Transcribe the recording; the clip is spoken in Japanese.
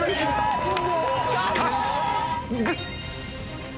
しかし。